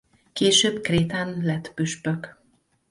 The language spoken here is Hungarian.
Később Krétán lett püspök.